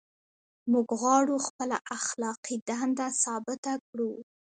موږ غواړو خپله اخلاقي دنده ثابته کړو.